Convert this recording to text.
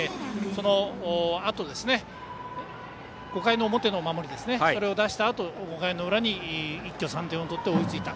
その５回の表の守りを脱したあと５回の裏に一挙３点を取って追いついた。